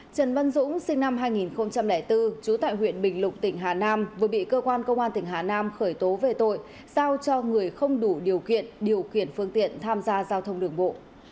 trần văn dũng sinh năm hai nghìn bốn trú tại huyện bình lục tỉnh hà nam vừa bị cơ quan công an tỉnh hà nam khởi tố về tội giao cho người không đủ điều kiện điều khiển phương tiện tham gia giao thông đường bộ